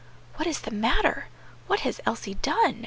"What is the matter? what has Elsie done?"